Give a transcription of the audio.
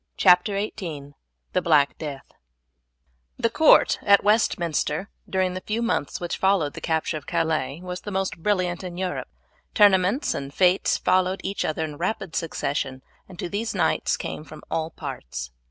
CHAPTER XVIII: THE BLACK DEATH The court at Westminster during the few months which followed the capture of Calais was the most brilliant in Europe. Tournaments and fetes followed each other in rapid succession, and to these knights came from all parts.